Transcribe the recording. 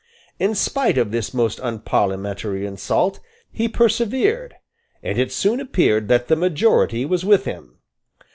In spite of this most unparliamentary insult, he persevered; and it soon appeared that the majority was with him.